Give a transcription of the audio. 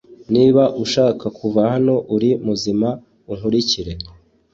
Niba ushaka kuva hano uri muzima unkurikire